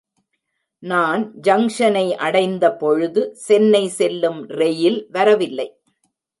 நான் ஜங்க்ஷனை அடைந்தபொழுது சென்னை செல்லும் ரெயில் வரவில்லை.